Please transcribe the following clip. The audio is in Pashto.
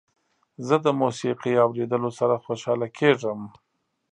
زه د موسيقۍ اوریدلو سره خوشحاله کیږم.